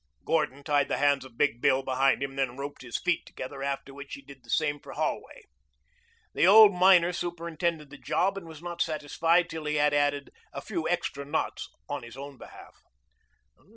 Gordon tied the hands of Big Bill behind him, then roped his feet together, after which he did the same for Holway. The old miner superintended the job and was not satisfied till he had added a few extra knots on his own behalf.